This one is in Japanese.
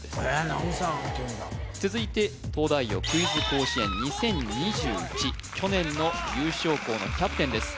南無三って言うんだ続いて「東大王クイズ甲子園２０２１」去年の優勝校のキャプテンです